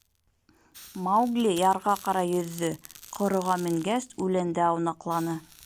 Маугли ярға ҡарай йөҙҙө, ҡороға менгәс, үләндә аунаҡланы.